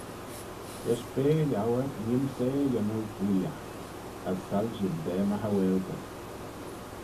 Lesh bea liauyr neem's eh y yannoo booiagh: as soilshee-ym da my haualtys.